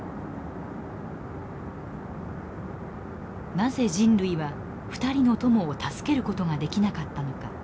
なぜ人類は２人の友を助けることができなかったのか。